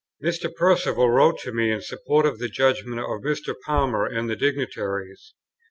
Mr. Perceval wrote to me in support of the judgment of Mr. Palmer and the dignitaries.